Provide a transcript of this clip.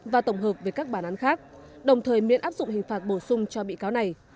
và tổng hợp về các bản án khác đồng thời miễn áp dụng hình phạt bổ sung cho bị cáo này